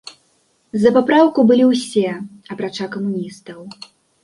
За папраўку былі ўсе, апрача камуністаў.